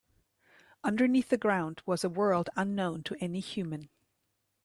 Underneath the ground was a world unknown to any human.